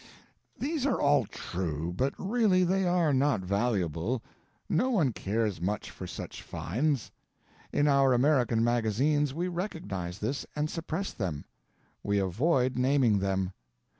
These are all true, but really they are not valuable; no one cares much for such finds. In our American magazines we recognize this and suppress them. We avoid naming them.